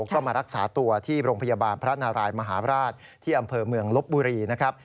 ก็มารักษาตัวที่โรงพยาบาลพระนารายมหาราชที่อำเภอเมืองลบบุรีนะครับ